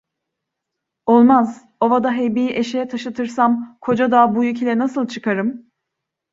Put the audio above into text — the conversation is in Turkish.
Olmaz! Ovada heybeyi eşeğe taşıtırsam, koca dağa bu yük ile nasıl çıkarım?